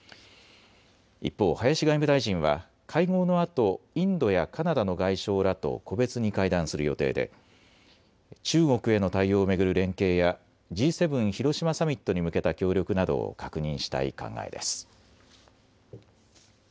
一方、林外務大臣は会合のあと、インドやカナダの外相らと個別に会談する予定で中国への対応を巡る連携やＧ７広島サミットに向けた協力などを確認したい考えです。